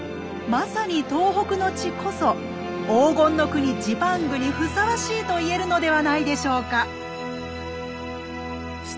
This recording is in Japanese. まさに東北の地こそ黄金の国ジパングにふさわしいと言えるのではないでしょうか？